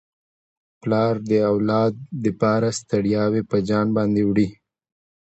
پلار د اولاد لپاره ستړياوي پر ځان باندي وړي.